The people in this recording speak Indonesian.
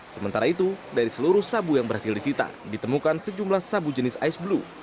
sementara itu dari seluruh sabu yang berhasil disita ditemukan sejumlah sabu jenis ice blue